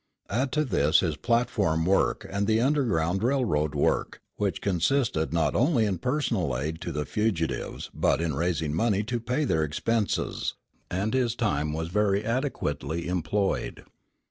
Add to this his platform work and the underground railroad work, which consisted not only in personal aid to the fugitives, but in raising money to pay their expenses, and his time was very adequately employed.